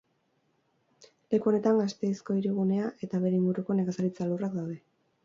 Leku honetan Gasteizko hirigunea eta bere inguruko nekazaritza lurrak daude.